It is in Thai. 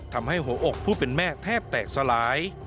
ทำให้หัวอกผู้เป็นแม่แทบแตกสลาย